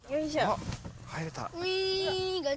あ入れた。